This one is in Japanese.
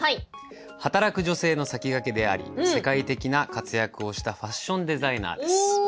働く女性の先駆けであり世界的な活躍をしたファッションデザイナーです。